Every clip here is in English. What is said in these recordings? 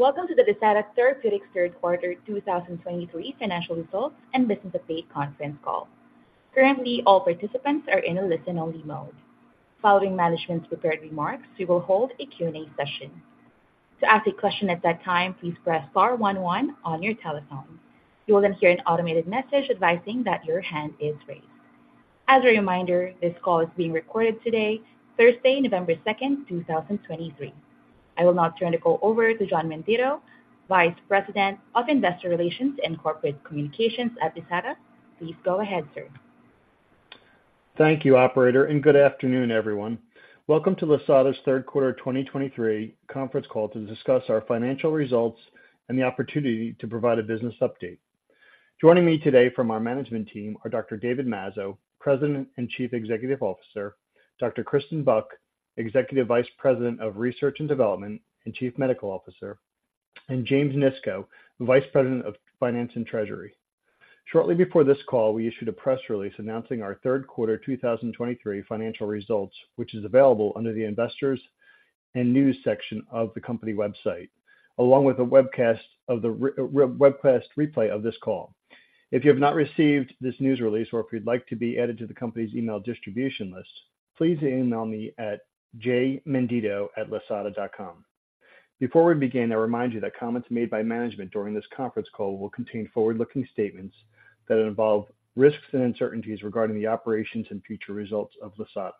Welcome to the Lisata Therapeutics Third Quarter 2023 Financial Results and Business Update Conference Call. Currently, all participants are in a listen-only mode. Following management's prepared remarks, we will hold a Q&A session. To ask a question at that time, please press star one, one on your telephone. You will then hear an automated message advising that your hand is raised. As a reminder, this call is being recorded today, Thursday, November 2, 2023. I will now turn the call over to John Menditto, Vice President of Investor Relations and Corporate Communications at Lisata. Please go ahead, sir. Thank you, operator, and good afternoon, everyone. Welcome to Lisata's Third Quarter 2023 Conference Call to discuss our financial results, and the opportunity to provide a business update. Joining me today from our management team are Dr. David Mazzo, President and Chief Executive Officer, Dr. Kristen Buck, Executive Vice President of Research and Development and Chief Medical Officer, and James Nisco, Vice President of Finance and Treasury. Shortly before this call, we issued a press release announcing our third quarter 2023 financial results, which is available under the investors and news section of the company website, along with a webcast replay of this call. If you have not received this news release, or if you'd like to be added to the company's email distribution list, please email me at jmenditto@lisata.com. Before we begin, I remind you that comments made by management during this conference call will contain forward-looking statements that involve risks, and uncertainties regarding the operations and future results of Lisata.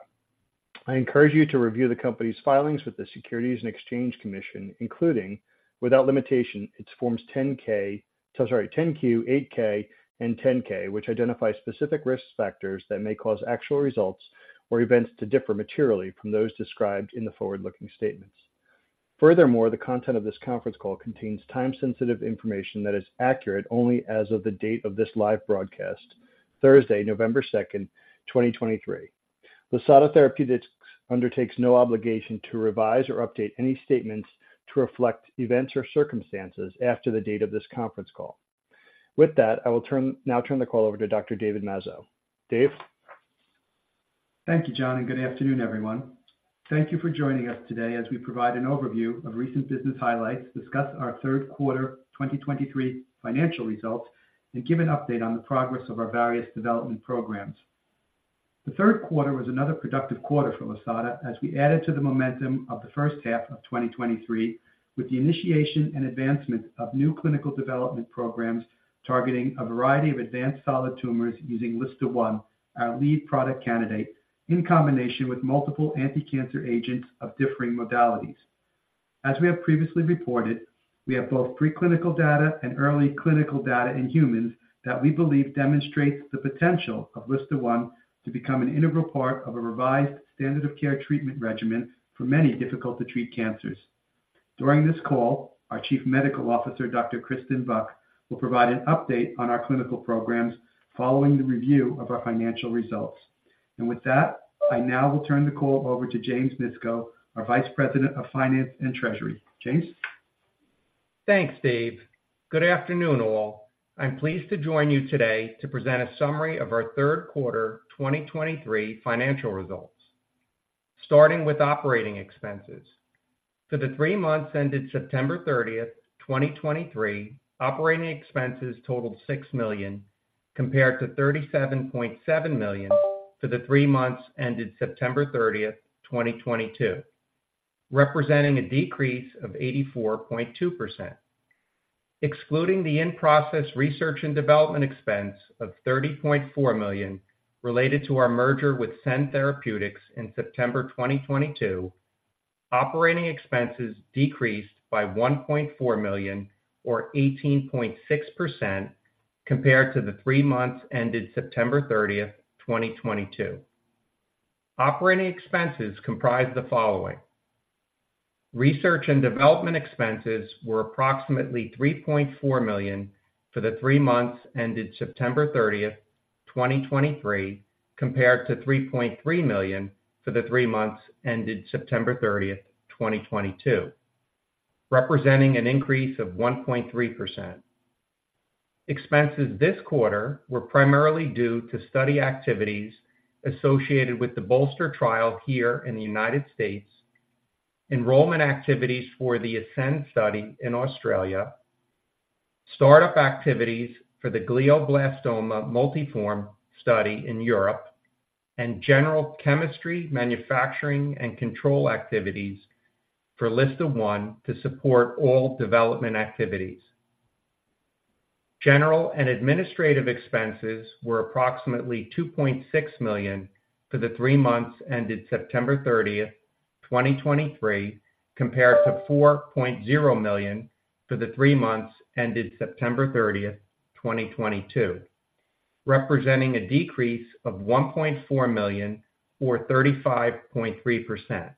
I encourage you to review the company's filings with the Securities and Exchange Commission, including, without limitation, its Forms 10-Q, 8-K, and 10-K, which identify specific risk factors that may cause actual results or events to differ materially from those described in the forward-looking statements. Furthermore, the content of this conference call contains time-sensitive information that is accurate only as of the date of this live broadcast, Thursday, November 2, 2023. Lisata Therapeutics undertakes no obligation to revise or update any statements to reflect events, or circumstances after the date of this conference call. With that, now I will turn the call over to Dr. David Mazzo. Dave? Thank you, John, and good afternoon, everyone. Thank you for joining us today as we provide an overview of recent business highlights, discuss our third quarter 2023 financial results and give an update on the progress of our various development programs. The third quarter was another productive quarter for Lisata, as we added to the momentum of the first half of 2023, with the initiation and advancement of new clinical development programs targeting a variety of advanced solid tumors using LSTA1, our lead product candidate, in combination with multiple anticancer agents of differing modalities. As we have previously reported, we have both preclinical data, and early clinical data in humans that we believe demonstrates the potential of LSTA1 to become an integral part of a revised standard of care treatment regimen for many difficult-to-treat cancers. During this call, our Chief Medical Officer, Dr.Kristen Buck will provide an update on our clinical programs following the review of our financial results. With that, I now will turn the call over to James Nisco, our Vice President of Finance and Treasury. James? Thanks, Dave. Good afternoon, all. I'm pleased to join you today to present a summary of our third quarter 2023 financial results. Starting with operating expenses. For the three months ended September 30, 2023, operating expenses totaled $6 million, compared to $37.7 million for the three months ended September 30, 2022, representing a decrease of 84.2%. Excluding the in-process research and development expense of $30.4 million related to our merger with Cend Therapeutics in September 2022, operating expenses decreased by $1.4 million or 18.6% compared to the three months ended September 30, 2022. Operating expenses comprise the following, research and development expenses were approximately $3.4 million for the three months ended September 30, 2023, compared to $3.3 million for the three months ended September 30, 2022, representing an increase of 1.3%. Expenses this quarter were primarily due to study activities associated with the BOLSTER trial here in the United States, enrollment activities for the ASCEND study in Australia, startup activities for the glioblastoma multiforme study in Europe, and general chemistry, manufacturing, and control activities for LSTA1 to support all development activities. General and administrative expenses were approximately $2.6 million for the three months ended September 30, 2023, compared to $4.0 million for the three months ended September 30, 2022, representing a decrease of $1.4 million or 35.3%.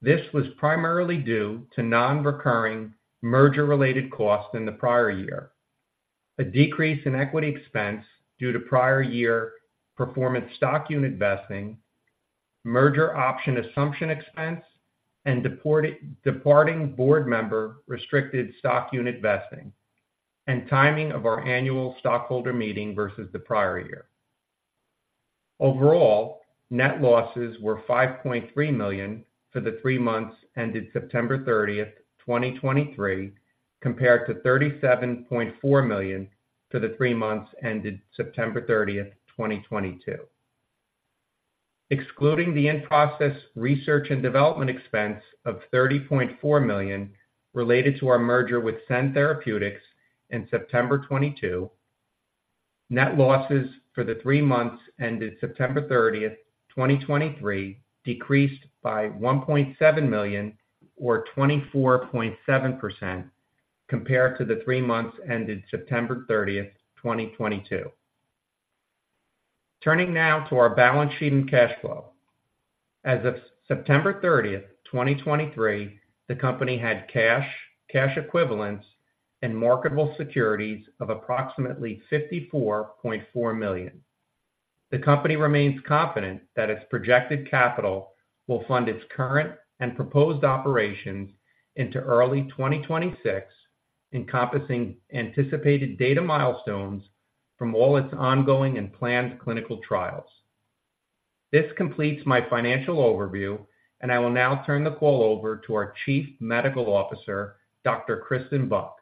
This was primarily due to non-recurring merger-related costs in the prior year, a decrease in equity expense due to prior year performance stock unit vesting, merger option assumption expense, and departing board member restricted stock unit vesting and timing of our annual stockholder meeting versus the prior year. Overall, net losses were $5.3 million for the three months ended September 30, 2023, compared to $37.4 million for the three months ended September 30, 2022. Excluding the in-process research, and development expense of $30.4 million related to our merger with Cend Therapeutics in September 2022, net losses for the three months ended September 30, 2023, decreased by $1.7 million or 24.7% compared to the three months ended September 30, 2022. Turning now to our balance sheet and cash flow. As of September 30, 2023, the company had cash, cash equivalents, and marketable securities of approximately $54.4 million. The company remains confident that its projected capital will fund its current and proposed operations into early 2026, encompassing anticipated data milestones from all its ongoing and planned clinical trials. This completes my financial overview, and I will now turn the call over to our Chief Medical Officer, Dr. Kristen Buck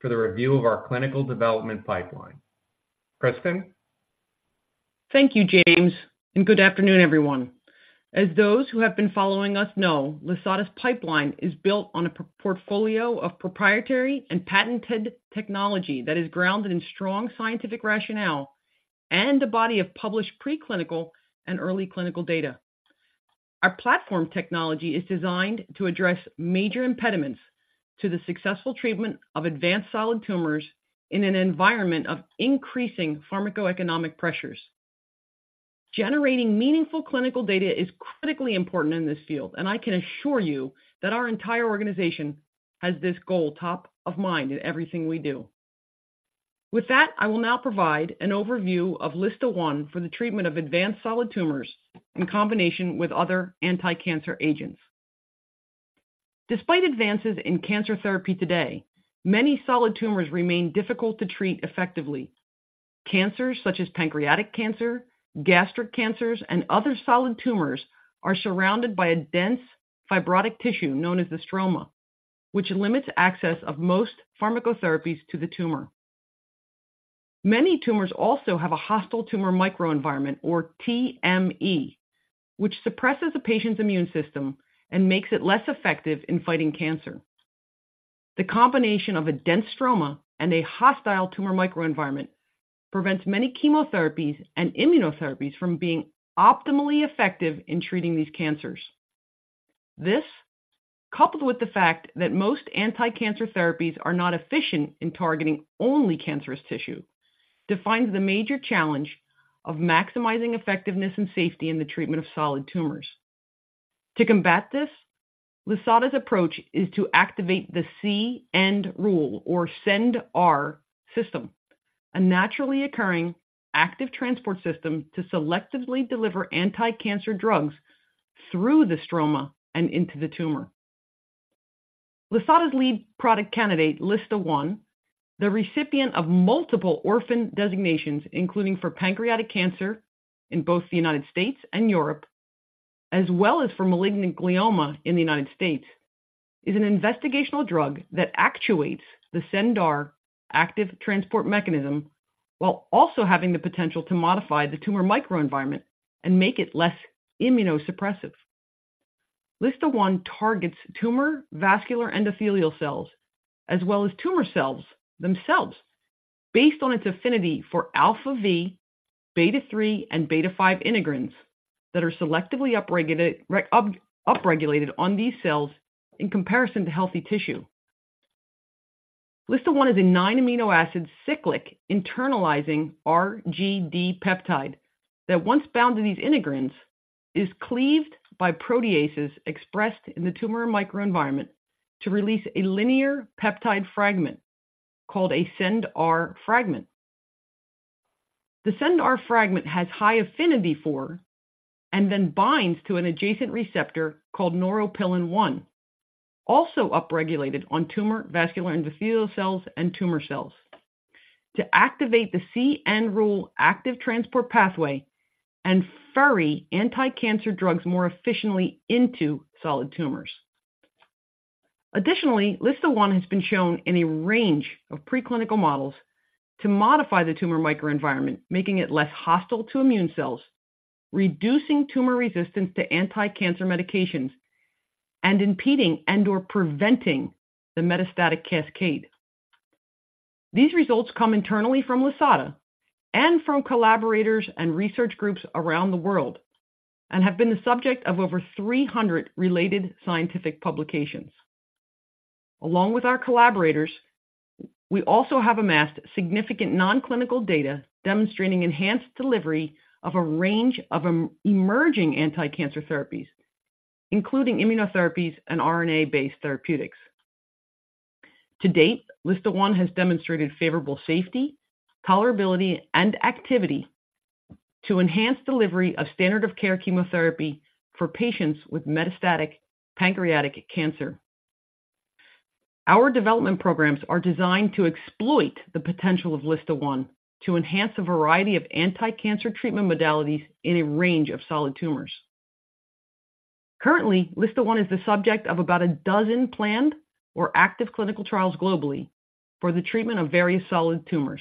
for the review of our clinical development pipeline. Kristen? Thank you, James, and good afternoon, everyone. As those who have been following us know, Lisata's pipeline is built on a portfolio of proprietary, and patented technology that is grounded in strong scientific rationale and a body of published preclinical and early clinical data. Our platform technology is designed to address major impediments to the successful treatment of advanced solid tumors, in an environment of increasing pharmacoeconomic pressures. Generating meaningful clinical data is critically important in this field, and I can assure you that our entire organization has this goal top of mind in everything we do. With that, I will now provide an overview of LSTA1, for the treatment of advanced solid tumors in combination with other anticancer agents. Despite advances in cancer therapy today, many solid tumors remain difficult to treat effectively. Cancers such as pancreatic cancer, gastric cancers, and other solid tumors are surrounded by a dense fibrotic tissue known as the stroma, which limits access of most pharmacotherapies to the tumor. Many tumors also have a hostile tumor microenvironment or TME, which suppresses the patient's immune system, and makes it less effective in fighting cancer. The combination of a dense stroma and a hostile tumor microenvironment, prevents many chemotherapies and immunotherapies from being optimally effective in treating these cancers. This, coupled with the fact that most anticancer therapies are not efficient in targeting only cancerous tissue, defines the major challenge of maximizing effectiveness and safety in the treatment of solid tumors. To combat this, Lisata's approach is to activate the C-end rule or CendR system, a naturally occurring active transport system to selectively deliver anticancer drugs through the stroma and into the tumor. Lisata's lead product candidate, LSTA1, the recipient of multiple orphan designations, including for pancreatic cancer in both the United States and Europe, as well as for malignant glioma in the United States, is an investigational drug that actuates the CendR active transport mechanism, while also having the potential to modify the tumor microenvironment and make it less immunosuppressive. LSTA1 targets tumor vascular endothelial cells, as well as tumor cells themselves, based on its affinity for alpha V, beta 3, and beta 5 integrins that are selectively upregulated on these cells in comparison to healthy tissue. LSTA1 is a 9-amino acid cyclic internalizing RGD peptide that once bound to these integrins, is cleaved by proteases expressed in the tumor microenvironment to release a linear peptide fragment called a CendR fragment. The CendR fragment has high affinity for and then binds to an adjacent receptor called Neuropilin-1, also upregulated on tumor vascular endothelial cells and tumor cells. To activate the C-end rule active transport pathway, and ferry anticancer drugs more efficiently into solid tumors. Additionally, LSTA1 has been shown in a range of preclinical models to modify the tumor microenvironment, making it less hostile to immune cells, reducing tumor resistance to anticancer medications, and impeding and/or preventing the metastatic cascade. These results come internally from Lisata and from collaborators and research groups around the world, and have been the subject of over 300 related scientific publications. Along with our collaborators, we also have amassed significant non-clinical data demonstrating enhanced delivery of a range of emerging anticancer therapies, including immunotherapies and RNA-based therapeutics. To date, LSTA1 has demonstrated favorable safety, tolerability, and activity to enhance delivery of standard-of-care chemotherapy for patients with metastatic pancreatic cancer. Our development programs are designed to exploit the potential of LSTA1, to enhance a variety of anticancer treatment modalities in a range of solid tumors. Currently, LSTA1 is the subject of about a dozen planned or active clinical trials globally for the treatment of various solid tumors.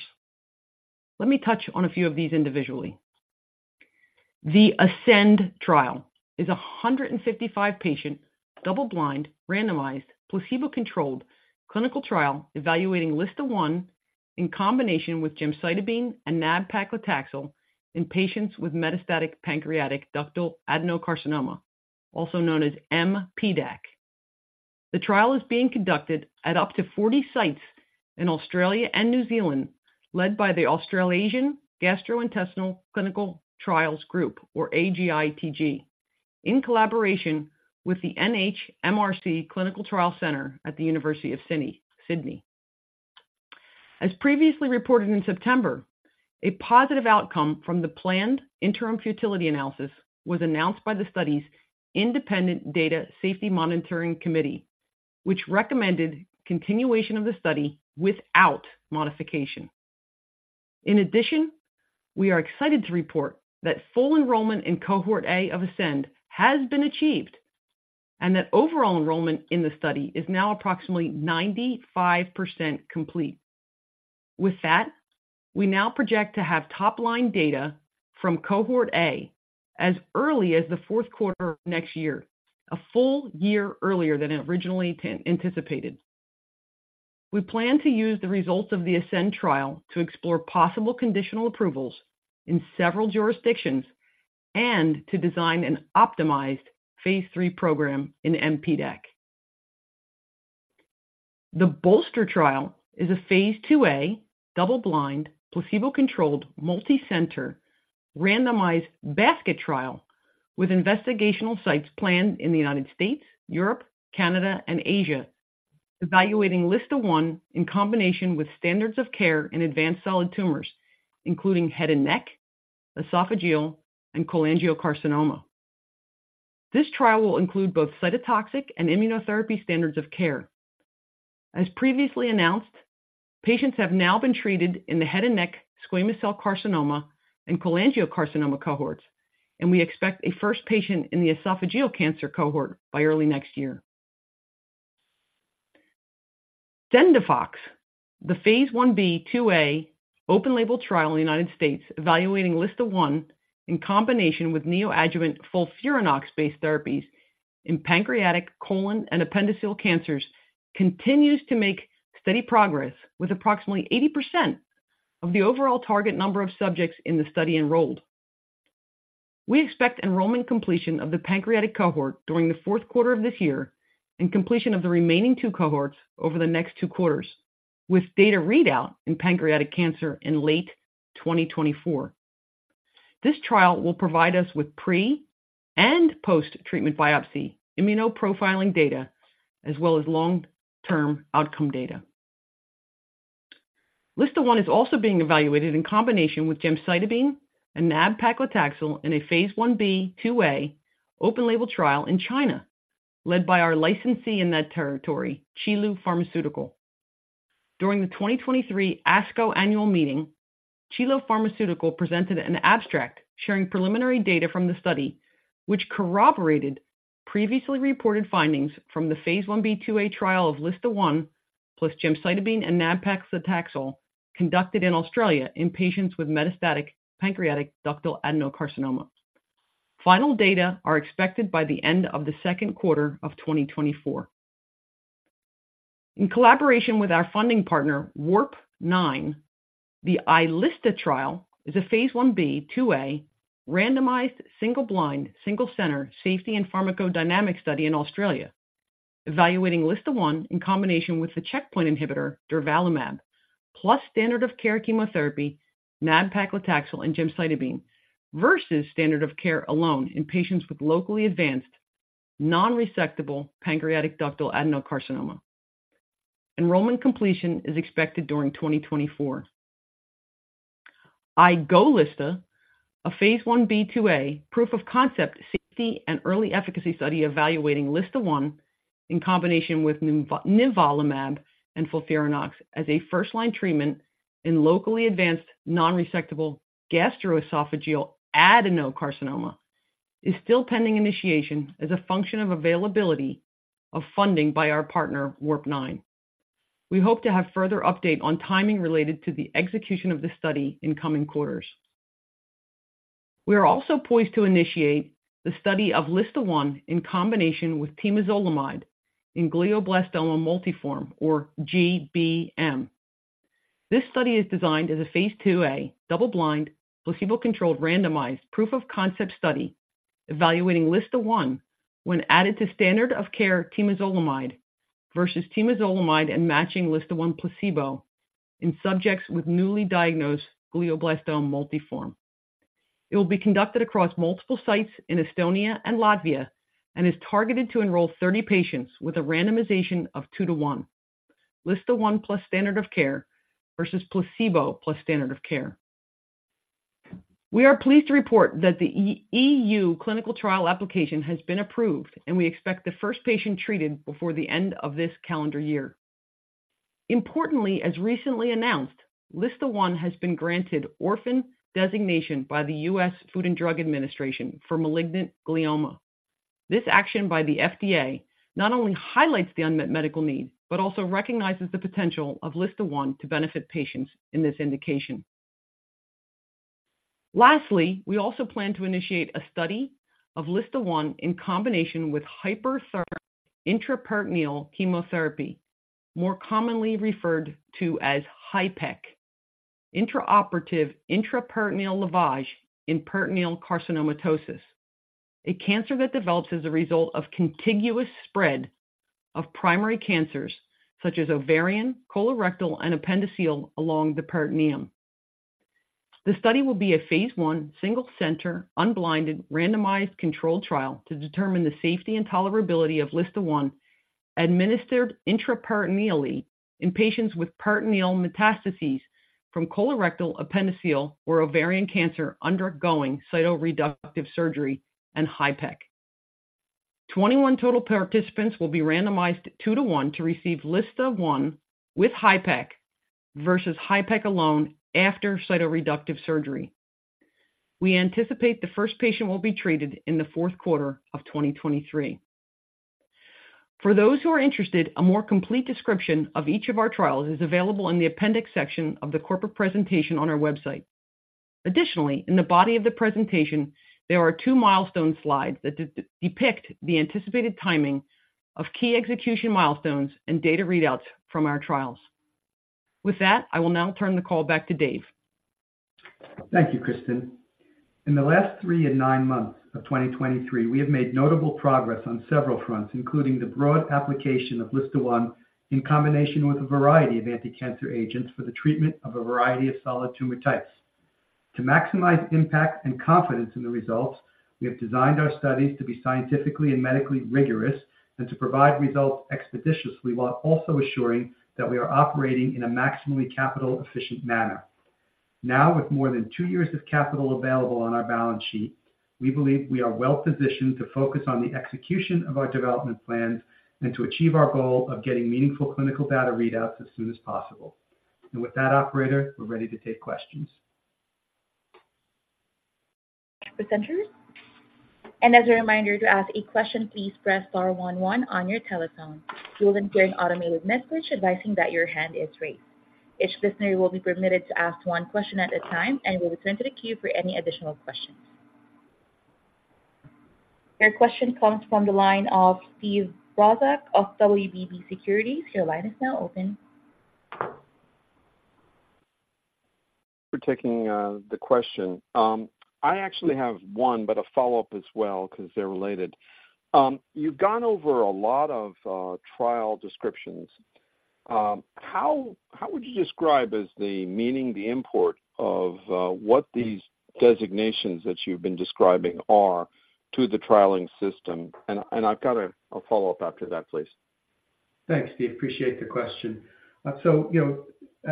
Let me touch on a few of these individually. The ASCEND trial is a 155-patient, double-blind, randomized, placebo-controlled clinical trial evaluating LSTA1 in combination with gemcitabine, and nab-paclitaxel in patients with metastatic pancreatic ductal adenocarcinoma, also known as mPDAC. The trial is being conducted at up to 40 sites in Australia and New Zealand, led by the Australasian Gastro-Intestinal Trials Group or AGITG, in collaboration with the NHMRC Clinical Trial Center at the University of Sydney. As previously reported in September, a positive outcome from the planned interim futility analysis was announced by the study's independent Data Safety Monitoring Committee, which recommended continuation of the study without modification. In addition, we are excited to report that full enrollment in cohort A of ASCEND has been achieved, and that overall enrollment in the study is now approximately 95% complete. With that, we now project to have top-line data from cohort A as early as the fourth quarter of next year, a full year earlier than originally anticipated. We plan to use the results of the ASCEND trial to explore possible conditional approvals in several jurisdictions, and to design an optimized phase III program in mPDAC. The BOLSTER trial is a phase IIA double-blind, placebo-controlled, multicenter, randomized basket trial with investigational sites planned in the United States, Europe, Canada, and Asia, evaluating LSTA1 in combination with standards of care in advanced solid tumors, including head and neck, esophageal, and cholangiocarcinoma. This trial will include both cytotoxic and immunotherapy standards of care. As previously announced, patients have now been treated in the head and neck squamous cell carcinoma and cholangiocarcinoma cohorts, and we expect a first patient in the esophageal cancer cohort by early next year. CENDIFOX, the phase IB/IIA open-label trial in the United States, evaluating LSTA1 in combination with neoadjuvant FOLFIRINOX-based therapies in pancreatic, colon, and appendiceal cancers, continues to make steady progress, with approximately 80% of the overall target number of subjects in the study enrolled. We expect enrollment completion of the pancreatic cohort during the fourth quarter of this year and completion of the remaining two cohorts over the next two quarters, with data readout in pancreatic cancer in late 2024. This trial will provide us with pre- and post-treatment biopsy immunoprofiling data, as well as long-term outcome data. LSTA1 is also being evaluated in combination with gemcitabine and nab-paclitaxel in a phase IB/IIA open-label trial in China, led by our licensee in that territory, Qilu Pharmaceutical. During the 2023 ASCO Annual Meeting, Qilu Pharmaceutical presented an abstract sharing preliminary data from the study, which corroborated previously reported findings from the phase IB/IIA trial of LSTA1 plus gemcitabine and nab-paclitaxel, conducted in Australia in patients with metastatic pancreatic ductal adenocarcinoma. Final data are expected by the end of the second quarter of 2024. In collaboration with our funding partner, WARPNINE, the iLSTA trial is a phase IB/IIA randomized, single-blind, single-center safety and pharmacodynamic study in Australia, evaluating LSTA1 in combination with the checkpoint inhibitor durvalumab, plus standard of care chemotherapy, nab-paclitaxel and gemcitabine, versus standard of care alone in patients with locally advanced non-resectable pancreatic ductal adenocarcinoma. Enrollment completion is expected during 2024. iGoLSTA, a phase 1B/IIA proof of concept, safety, and early efficacy study evaluating LSTA1 in combination with nivolumab and FOLFIRINOX as a first-line treatment in locally advanced non-resectable gastroesophageal adenocarcinoma, is still pending initiation as a function of availability of funding by our partner, WARPNINE. We hope to have further update on timing related to the execution of this study in coming quarters. We are also poised to initiate the study of LSTA1 in combination with temozolomide in glioblastoma multiforme, or GBM. This study is designed as a phase IIA double-blind, placebo-controlled, randomized proof of concept study evaluating LSTA1 when added to standard of care temozolomide versus temozolomide, and matching LSTA1 placebo in subjects with newly diagnosed glioblastoma multiforme. It will be conducted across multiple sites in Estonia and Latvia, and is targeted to enroll 30 patients with a randomization of 2-to-1, LSTA1 plus standard of care versus placebo plus standard of care. We are pleased to report that the E.U. clinical trial application has been approved, and we expect the first patient treated before the end of this calendar year. Importantly, as recently announced, LSTA1 has been granted orphan designation by the U.S. Food and Drug Administration for malignant glioma. This action by the FDA not only highlights the unmet medical need, but also recognizes the potential of LSTA1 to benefit patients in this indication. Lastly, we also plan to initiate a study of LSTA1 in combination with hyperthermic intraperitoneal chemotherapy, more commonly referred to as HIPEC. Intraoperative intraperitoneal lavage in peritoneal carcinomatosis, a cancer that develops as a result of contiguous spread of primary cancers such as ovarian, colorectal, and appendiceal, along the peritoneum. The study will be a phase I, single-center, unblinded, randomized controlled trial to determine the safety, and tolerability of LSTA1, administered intraperitoneally in patients with peritoneal metastases from colorectal, appendiceal, or ovarian cancer undergoing cytoreductive surgery and HIPEC. 21 total participants will be randomized 2 to 1 to receive LSTA1 with HIPEC versus HIPEC alone after cytoreductive surgery. We anticipate the first patient will be treated in the fourth quarter of 2023. For those who are interested, a more complete description of each of our trials is available in the appendix section of the corporate presentation on our website. Additionally, in the body of the presentation, there are two milestone slides that depict the anticipated timing of key execution milestones and data readouts from our trials. With that, I will now turn the call back to Dave. Thank you, Kristen. In the last three and nine months of 2023, we have made notable progress on several fronts, including the broad application of LSTA1, in combination with a variety of anticancer agents for the treatment of a variety of solid tumor types. To maximize impact and confidence in the results, we have designed our studies to be scientifically and medically rigorous and to provide results expeditiously, while also assuring that we are operating in a maximally capital-efficient manner. Now, with more than two years of capital available on our balance sheet, we believe we are well-positioned to focus on the execution of our development plans and to achieve our goal of getting meaningful clinical data readouts as soon as possible. With that, operator, we're ready to take questions. As a reminder, to ask a question, please press star one, one on your telephone. You will then hear an automated message advising that your hand is raised. Each listener will be permitted to ask one question at a time, and will return to the queue for any additional questions. Your question comes from the line of Steve Brozak of WBB Securities. Your line is now open. for taking the question. I actually have one, but a follow-up as well, because they're related. You've gone over a lot of trial descriptions. How would you describe as the meaning, the import of what these designations that you've been describing are to the trialing system? I've got a follow-up after that, please. Thanks, Steve. Appreciate the question. You know,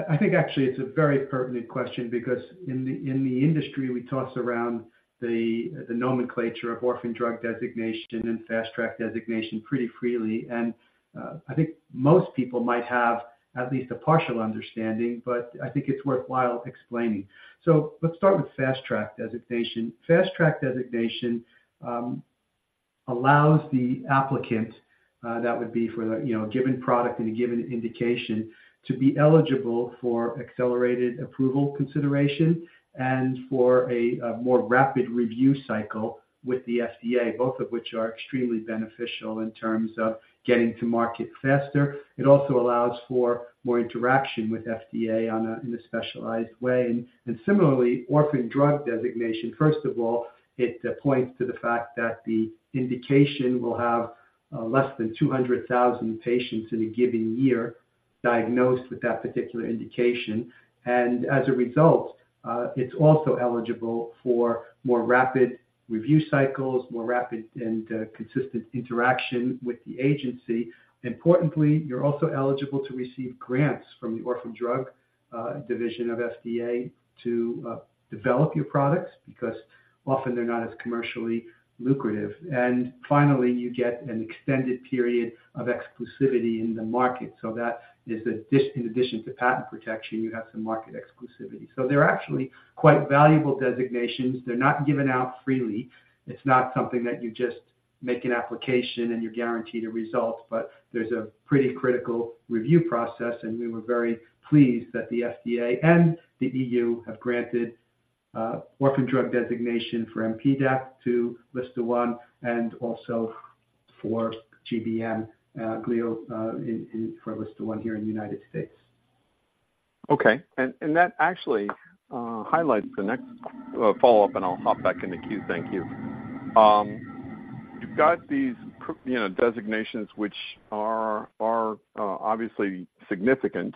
I think actually it's a very pertinent question because in the industry, we toss around the nomenclature of Orphan Drug Designation and Fast Track Designation pretty freely. I think most people might have at least a partial understanding, but I think it's worthwhile explaining. Let's start with Fast Track Designation. Fast Track Designation allows the applicant, that would be for the, you know, given product and a given indication, to be eligible for accelerated approval consideration and for a more rapid review cycle with the FDA, both of which are extremely beneficial in terms of getting to market faster. It also allows for more interaction with the FDA in a specialized way. Similarly, Orphan Drug Designation, first of all, it points to the fact that the indication will have less than 200,000 patients in a given year diagnosed with that particular indication. As a result, it's also eligible for more rapid review cycles, more rapid and consistent interaction with the agency. Importantly, you're also eligible to receive grants from the Orphan Drug Division of FDA to develop your products, because often they're not as commercially lucrative. Finally, you get an extended period of exclusivity in the market. That is in addition to patent protection, you have some market exclusivity. They're actually quite valuable designations. They're not given out freely. It's not something that you just make an application, and you're guaranteed a result. There's a pretty critical review process, and we were very pleased that the FDA and the EU have granted orphan drug designation for mPDAC to Lisata, and also for GBM for LSTA1 here in the United States. Okay. That actually highlights the next follow-up, and I'll hop back in the queue. Thank you. You've got these, you know, designations, which are obviously significant.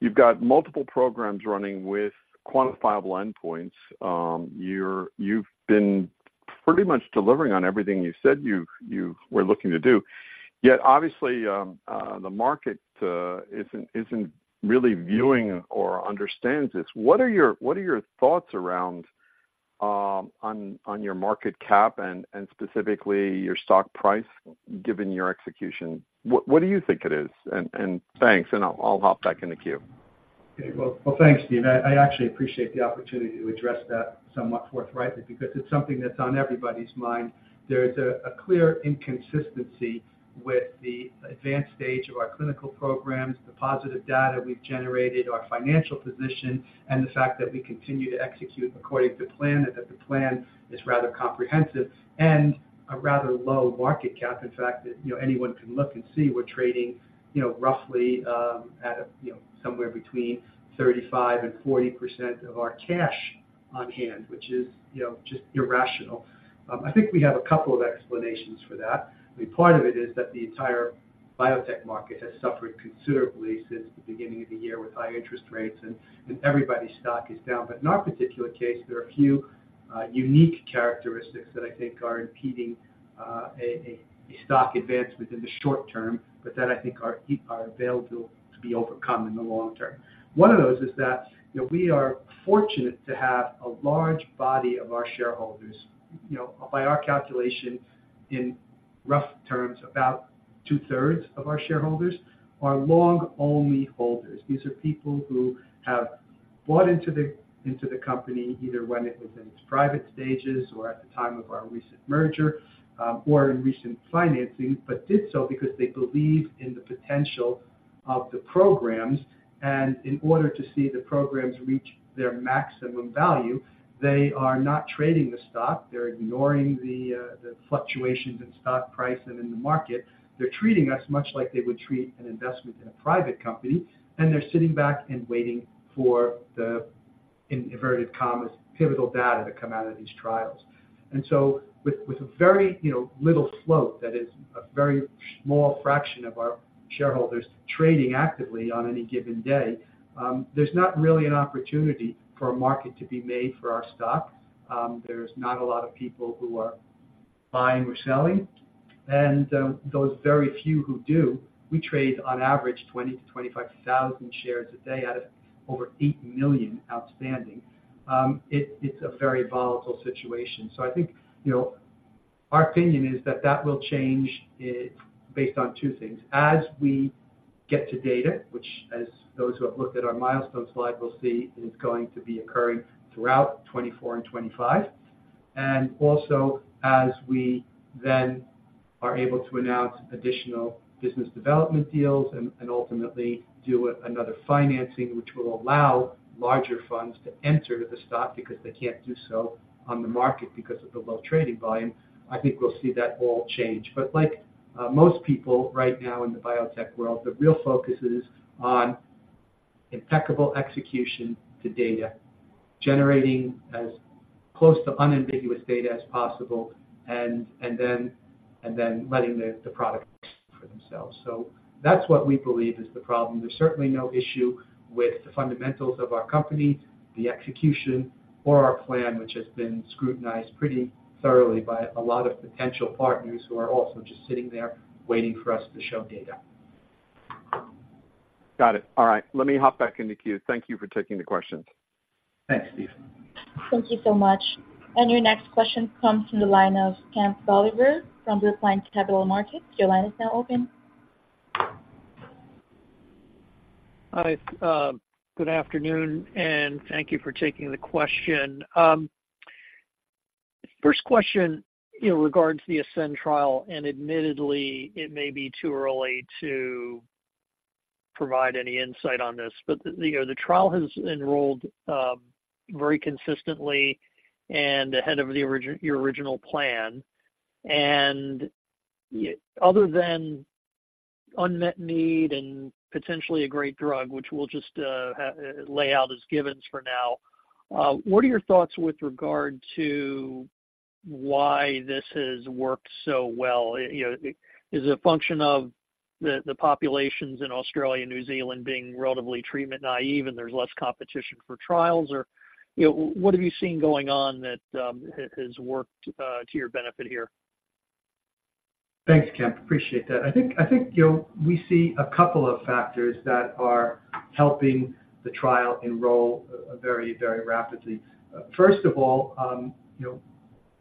You've got multiple programs running with quantifiable endpoints. You've been pretty much delivering on everything you said you were looking to do. Yet obviously, the market isn't really viewing or understands this. What are your thoughts on your market cap and specifically your stock price, given your execution? What do you think it is? Thanks, and I'll hop back in the queue. Okay, well, thanks, Steve. I actually appreciate the opportunity to address that somewhat forthrightly, because it's something that's on everybody's mind. There's a clear inconsistency with the advanced stage of our clinical programs, the positive data we've generated, our financial position, and the fact that we continue to execute according to plan, and that the plan is rather comprehensive and a rather low market cap. In fact, that, you know, anyone can look and see we're trading, you know, roughly at, you know, somewhere between 35%-40% of our cash on hand, which is, you know, just irrational. I think we have a couple of explanations for that. I mean, part of it is that the entire biotech market has suffered considerably since the beginning of the year with high interest rates, and everybody's stock is down. In our particular case, there are a few unique characteristics that I think are impeding a stock advance within the short term, but that I think are available to be overcome in the long term. One of those is that, you know, we are fortunate to have a large body of our shareholders. You know, by our calculation, in rough terms, about 2/3 of our shareholders are long-only holders. These are people who have bought into the company, either when it was in its private stages or at the time of our recent merger or in recent financings, but did so because they believe in the potential of the programs. In order to see the programs reach their maximum value, they are not trading the stock. They're ignoring the fluctuations in stock price and in the market. They're treating us much like they would treat an investment in a private company, and they're sitting back and waiting for the, "pivotal data to come out of these trials." With a very, you know, little float, that is, a very small fraction of our shareholders trading actively on any given day, there's not really an opportunity for a market to be made for our stock. There's not a lot of people who are buying or selling, and those very few who do, we trade on average 20,000-25,000 shares a day out of over 8 million outstanding. It's a very volatile situation. I think, you know, our opinion is that that will change it based on two things, as we get to data, which as those who have looked at our milestone slide will see, is going to be occurring throughout 2024 and 2025. Also, as we then are able to announce additional business development deals and ultimately do another financing, which will allow larger funds to enter the stock because they can't do so on the market because of the low trading volume. I think we'll see that all change. Most people right now in the biotech world, the real focus is on impeccable execution to data, generating as close to unambiguous data as possible, and then letting the product speak for themselves. That's what we believe is the problem. There's certainly no issue with the fundamentals of our company, the execution or our plan which has been scrutinized pretty thoroughly by a lot of potential partners who are also just sitting there waiting for us to show data. Got it. All right, let me hop back in the queue. Thank you for taking the questions. Thanks, Steve. Thank you so much. Your next question comes from the line of Kemp Dolliver from Brookline Capital Markets. Your line is now open. Hi, good afternoon, and thank you for taking the question. First question, you know, regards the ASCEND trial, and admittedly, it may be too early to provide any insight on this, but you know, the trial has enrolled very consistently and ahead of the original plan. Other than unmet need and potentially a great drug, which we'll just lay out as givens for now, what are your thoughts with regard to why this has worked so well? You know, is it a function of the populations in Australia and New Zealand being relatively treatment naive, and there's less competition for trials? Or you know, what have you seen going on that has worked to your benefit here? Thanks, Kemp. Appreciate that. I think, you know, we see a couple of factors that are helping the trial enroll very, very rapidly. First of all, you know,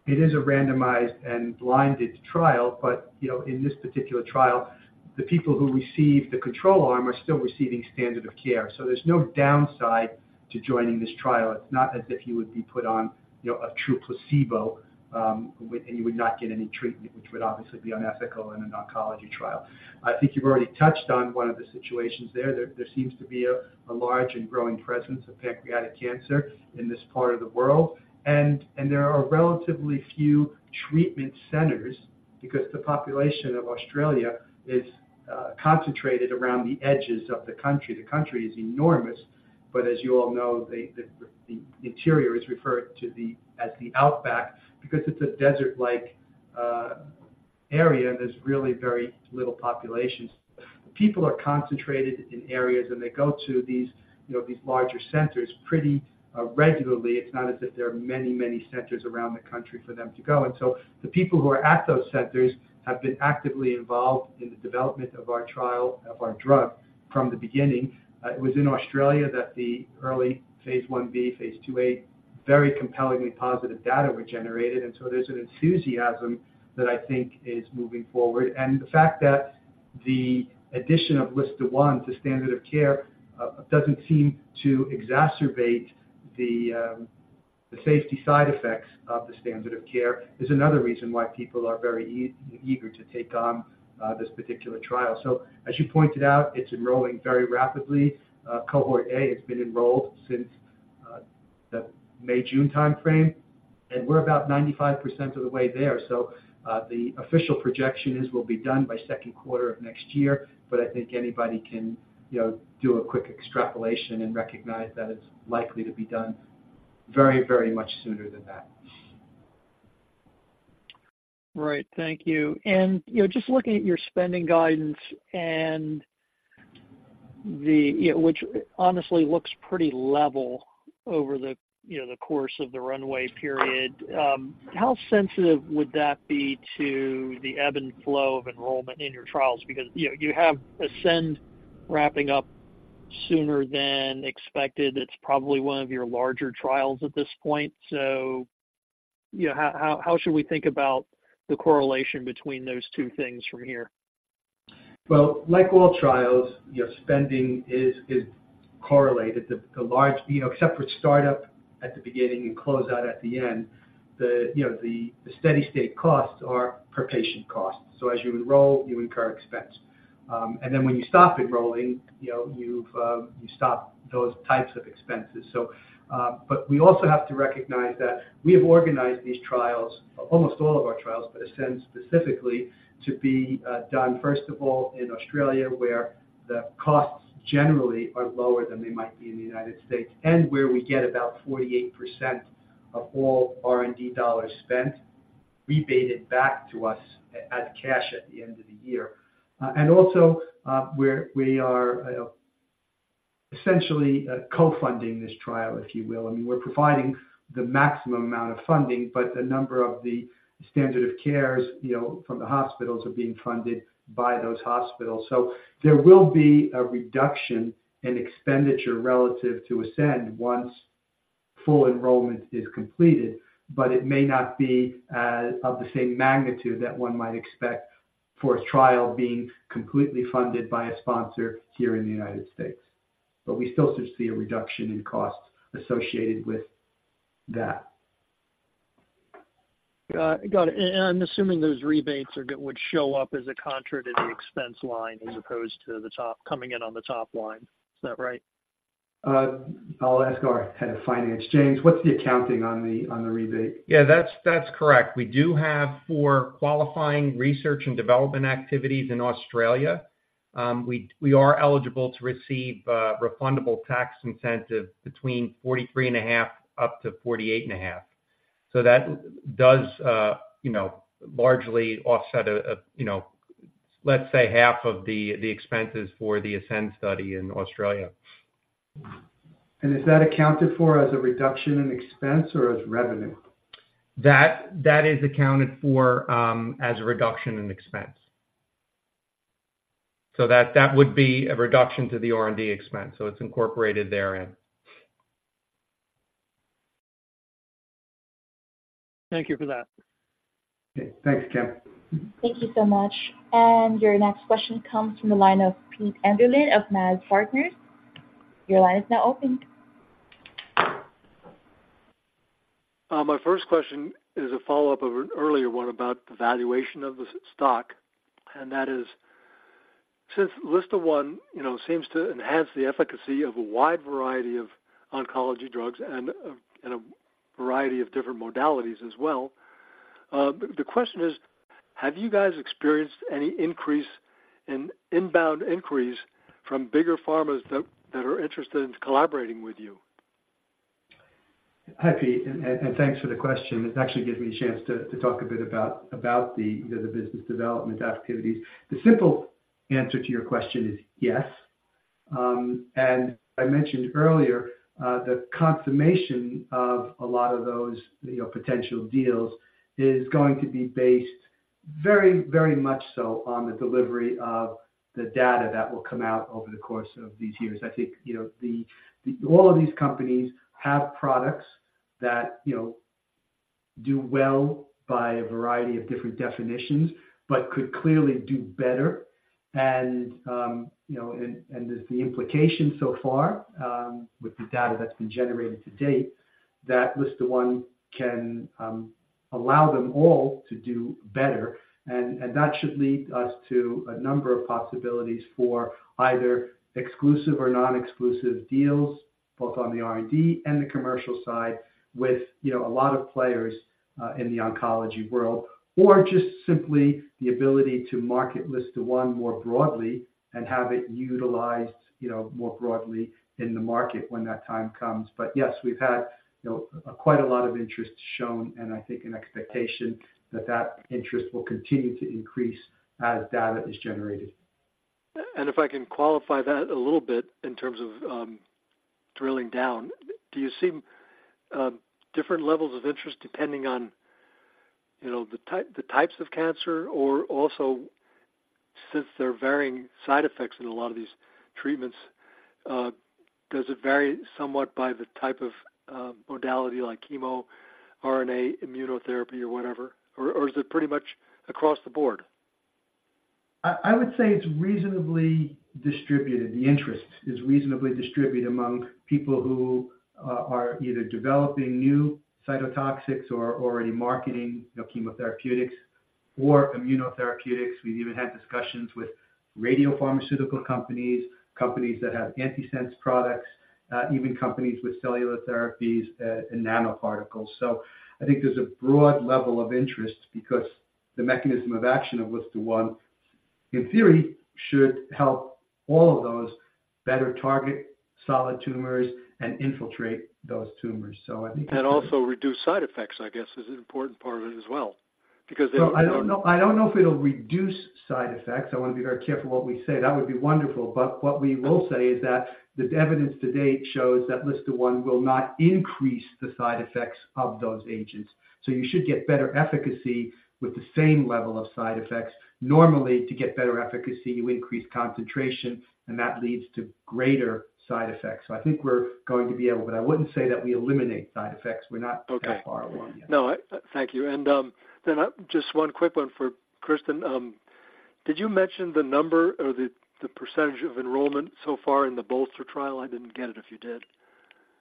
it is a randomized and blinded trial, but you know, in this particular trial, the people who receive the control arm are still receiving standard of care. There's no downside to joining this trial. It's not as if you would be put on, you know, a true placebo, and you would not get any treatment, which would obviously be unethical in an oncology trial. I think you've already touched on one of the situations there. There seems to be a large, and growing presence of pancreatic cancer in this part of the world. There are relatively few treatment centers, because the population of Australia is concentrated around the edges of the country. The country is enormous, but as you all know, the interior is referred to as the outback because it's a desert-like area, and there's really very little populations. People are concentrated in areas, and they go to, you know, these larger centers pretty regularly. It's not as if there are many, many centers around the country for them to go. The people who are at those centers have been actively involved in the development of our trial of our drug from the beginning. It was in Australia that the early phase 1B, phase 2A, very compellingly positive data were generated, and so there's an enthusiasm that I think is moving forward. The fact that the addition of LSTA1 to standard of care doesn't seem to exacerbate the safety side effects of the standard of care, is another reason why people are very eager to take on this particular trial. As you pointed out, it's enrolling very rapidly. Cohort A has been enrolled since the May, June timeframe, and we're about 95% of the way there. The official projections we'll be done by second quarter of next year, but I think anybody can, you know, do a quick extrapolation and recognize that it's likely to be done very, very much sooner than that. Right. Thank you. You know, just looking at your spending guidance and you know, which honestly looks pretty level over, you know, the course of the runway period. How sensitive would that be to the ebb and flow of enrollment in your trials? Because, you know, you have ASCEND wrapping up sooner than expected. It's probably one of your larger trials at this point. You know, how should we think about the correlation between those two things from here? Well, like all trials, your spending is correlated. You know, except for startup at the beginning and close out at the end, you know, the steady state costs are per patient costs. As you enroll, you incur expense. Then when you stop enrolling, you know, you stop those types of expenses. We also have to recognize that we have organized these trials, almost all of our trials, but ASCEND specifically, to be done, first of all, in Australia, where the costs generally are lower than they might be in the United States, and where we get about 48% of all R&D dollars spent, rebated back to us as cash at the end of the year. Also, we are essentially co-funding this trial, if you will. I mean, we're providing the maximum amount of funding, but a number of the standard of cares, you know, from the hospitals, are being funded by those hospitals. There will be a reduction in expenditure relative to ASCEND once full enrollment is completed, but it may not be of the same magnitude that one might expect for a trial being completely funded by a sponsor here in the United States. We still should see a reduction in costs associated with that. Got it. I'm assuming those rebates are, would show up as a contra to the expense line as opposed to coming in on the top line. Is that right? I'll ask our head of finance. James, what's the accounting on the rebate? Yeah, that's correct. We do have for qualifying research and development activities in Australia, we are eligible to receive refundable tax incentive between 43.5%-48.5%. That does, you know, largely offset, you know, let's say half of the expenses for the ASCEND study in Australia. Is that accounted for as a reduction in expense or as revenue? That is accounted for as a reduction in expense. That would be a reduction to the R&D expense, so it's incorporated therein. Thank you for that. Okay. Thanks, Kemp. Thank you so much. Your next question comes from the line of Pete Enderlin of MAZ Partners. Your line is now open. My first question is a follow-up of an earlier one about the valuation of the LSTA stock, and that is, since LSTA1, you know, seems to enhance the efficacy of a wide variety of oncology drugs and a variety of different modalities as well, the question is, have you guys experienced any increase in inbound inquiries from bigger pharmas that are interested in collaborating with you? Hi, Pete, and thanks for the question. It actually gives me a chance to talk a bit about you know, the business development activities. The simple answer to your question is yes. I mentioned earlier, the confirmation of a lot of those, you know, potential deals is going to be based very, very much so on the delivery of the data that will come out over the course of these years. I think, you know, all of these companies have products that, you know, do well by a variety of different definitions, but could clearly do better. You know, and as the implication so far, with the data that's been generated to date, that LSTA1 can allow them all to do better. That should lead us to a number of possibilities for either exclusive or non-exclusive deals, both on the R&D and the commercial side, with, you know, a lot of players in the oncology world, or just simply the ability to market LSTA1 more broadly and have it utilized, you know, more broadly in the market when that time comes. Yes, we've had, you know, quite a lot of interest shown, and I think an expectation that that interest will continue to increase as data is generated. If I can qualify that a little bit in terms of drilling down, do you see different levels of interest depending on, you know, the types of cancer, or also since there are varying side effects in a lot of these treatments, does it vary somewhat by the type of modality like chemo, RNA, immunotherapy, or whatever? Or is it pretty much across the board? I would say it's reasonably distributed. The interest is reasonably distributed among people who are either developing new cytotoxics, or already marketing the chemotherapeutics or immunotherapeutics. We've even had discussions with radiopharmaceutical companies, companies that have antisense products, even companies with cellular therapies and nanoparticles. I think there's a broad level of interest because the mechanism of action of LSTA1 in theory, should help all of those better target solid tumors and infiltrate those tumors. Also, reduce side effects, I guess, is an important part of it as well. Well, I don't know if it'll reduce side effects. I want to be very careful what we say. That would be wonderful, but what we will say is that the evidence to date shows that LSTA1 will not increase the side effects of those agents. You should get better efficacy with the same level of side effects. Normally, to get better efficacy, you increase concentration, and that leads to greater side effects. I think we're going to be able, but I wouldn't say that we eliminate side effects. We're not that far along yet. Okay. No, thank you. Then, just one quick one for Kristen. Did you mention the number or the percentage of enrollment so far in the BOLSTER trial? I didn't get it if you did.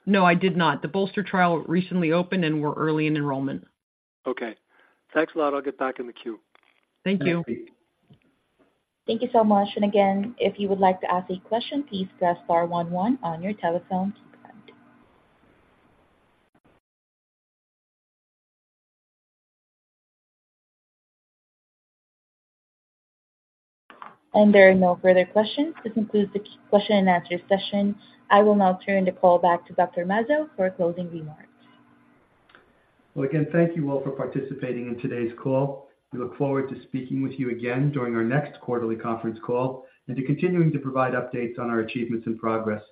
No, I did not. The BOLSTER trial recently opened, and we're early in enrollment. Okay. Thanks a lot. I'll get back in the queue. Thank you. Thanks, Pete. Thank you so much. Again, if you would like to ask a question, please press star one, one on your telephone keypad. There are no further questions. This concludes the question-and-answer session. I will now turn the call back to Dr. Mazzo for closing remarks. Well, again, thank you all for participating in today's call. We look forward to speaking with you again during our next quarterly conference call, and to continue to provide updates on our achievements and progress.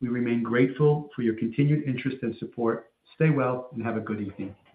We remain grateful for your continued interest and support. Stay well, and have a good evening.